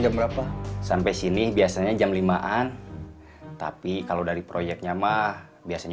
mereka udah puas kemarin ngeroyok kita